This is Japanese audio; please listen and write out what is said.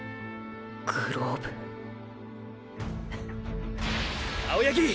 グローブ青八木！